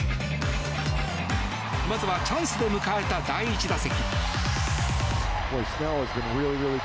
まずはチャンスで迎えた第１打席。